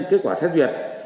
kết quả xét duyệt